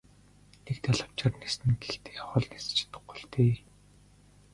Нэг далавчаар ниснэ гэхдээ хол нисэж чадахгүй л дээ.